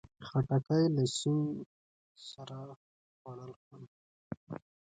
خټکی له سیند سره خوړل خوند کوي.